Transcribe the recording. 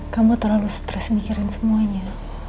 kamu terlalu stres mikirin semuanya